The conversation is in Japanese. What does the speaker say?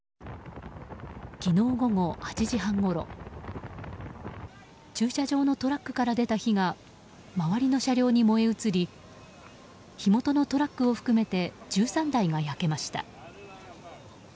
昨日午後８時半ごろ駐車場のトラックから出た火が周りの車両に燃え移り火元のトラックを含めて１３台が焼けました。